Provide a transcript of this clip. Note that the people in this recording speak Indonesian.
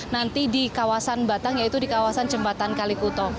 nanti di kawasan batang yaitu di kawasan jembatan kalikuto